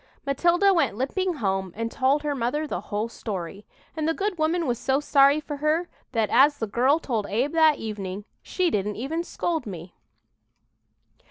Matilda went limping home and told her mother the whole story, and the good woman was so sorry for her that, as the girl told Abe that evening, "she didn't even scold me."